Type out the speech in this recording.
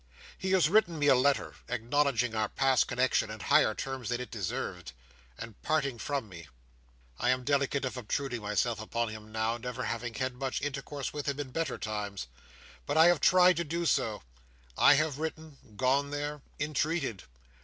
He has written me a letter, acknowledging our past connexion in higher terms than it deserved, and parting from me. I am delicate of obtruding myself upon him now, never having had much intercourse with him in better times; but I have tried to do so. I have written, gone there, entreated.